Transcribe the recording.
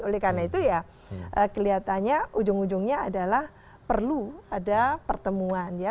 oleh karena itu ya kelihatannya ujung ujungnya adalah perlu ada pertemuan ya